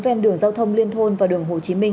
ven đường giao thông liên thôn và đường hồ chí minh